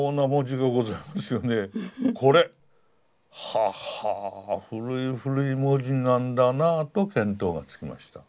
ははぁ古い古い文字なんだなと見当がつきました。